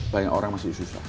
banyak orang masih susah